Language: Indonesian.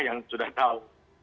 yang sudah tahu